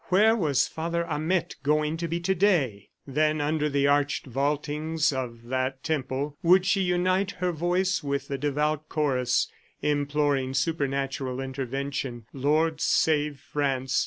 "Where was Father Amette going to be to day?" Then, under the arched vaultings of that temple, would she unite her voice with the devout chorus imploring supernatural intervention. "Lord, save France!"